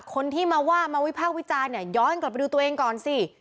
คนที่มาว่ามาวิพากษ์วิจารณ์เนี่ยย้อนกลับไปดูตัวเองก่อนสิ